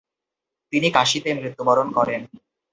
তিনি কাশীতে মৃত্যুবরণ করেন ।